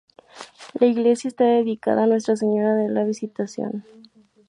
La iglesia está dedicada a Nuestra Señora de la Visitación.